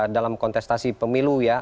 dalam kontestasi pemilu ya